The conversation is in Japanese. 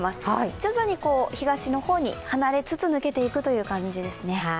徐々に東の方へ離れつつ抜けていく感じですね。